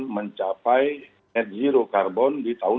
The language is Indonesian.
mencapai net zero carbon di tahun dua ribu dua puluh